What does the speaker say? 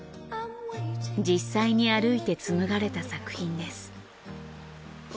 実際に歩いて紡がれた作品です。